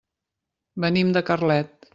Venim de Carlet.